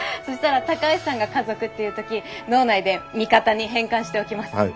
そしたら高橋さんが「家族」って言う時脳内で「味方」に変換しておきます。